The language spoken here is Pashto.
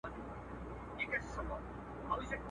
پوهېږم چي زما نوم به دي له یاده وي وتلی.